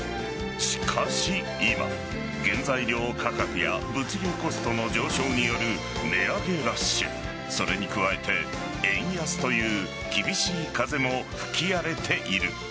しかし今、原材料価格や物流コストの上昇による値上げラッシュそれに加えて円安という厳しい風も吹き荒れている。